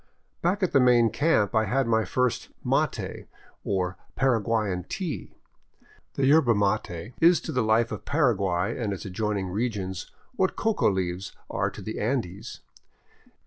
Back at the main camp I had my first mate, or " Paraguayan tea." The yerba mate is to the life of Paraguay and its adjoining regions what coca leaves are to the Andes.